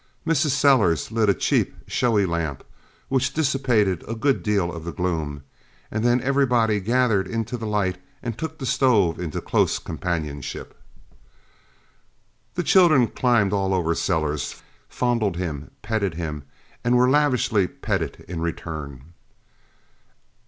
Mrs. Sellers lit a cheap, showy lamp, which dissipated a good deal of the gloom, and then everybody gathered into the light and took the stove into close companionship. The children climbed all over Sellers, fondled him, petted him, and were lavishly petted in return.